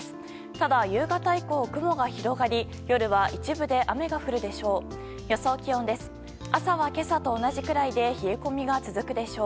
ただ夕方以降、雲が広がり夜は一部で雨が降るでしょう。